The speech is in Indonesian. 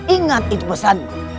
ingat itu pesanmu